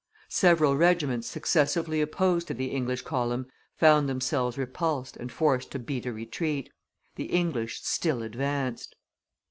Several regiments successively opposed to the English column found themselves repulsed and forced to beat a retreat; the English still advanced.